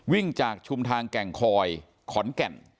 วิ่งจากชุมทางแก่งคอยขอนแก่น